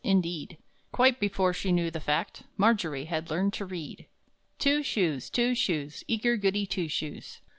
Indeed, Quite before she knew the fact, Margery had learned to read. Two Shoes, Two Shoes, Eager Goody Two Shoes!